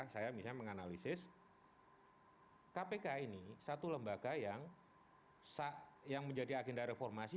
saya misalnya menganalisis kpk ini satu lembaga yang menjadi agenda reformasi